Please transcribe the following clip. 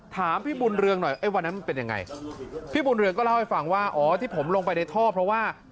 ถามพี่บุญเรืองหน่อยไอ้วันนั้นมันเป็นยังไงพี่บุญเรืองก็เล่าให้ฟังว่าอ๋อที่ผมลงไปในท่อเพราะว่า